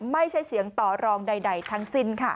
ไม่ใช่เสียงต่อรองใดทั้งสิ้นค่ะ